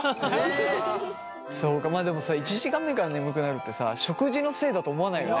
そうかまあでもそう１時間目から眠くなるってさ食事のせいだと思わないよね。